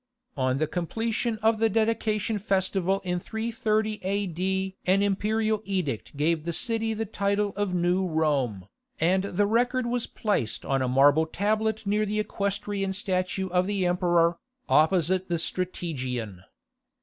On the completion of the dedication festival in 330 A.D. an imperial edict gave the city the title of New Rome, and the record was placed on a marble tablet near the equestrian statue of the emperor, opposite the Strategion.